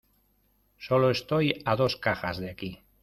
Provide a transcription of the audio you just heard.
Sólo estoy a dos cajas de aquí.